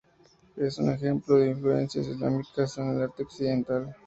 Es un ejemplo de influencias islámicas en el arte occidental.